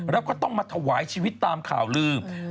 แล้วก็ต้องมาถวายชีวิตตามข่าวลืม